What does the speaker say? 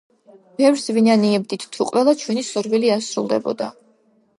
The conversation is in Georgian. ბევრს ვინანებდით თუ ყველა ჩვენი სურვილი ასრულდებოდა.